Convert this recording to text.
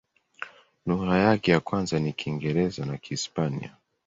Lugha yake ya kwanza ni Kiingereza na Kihispania.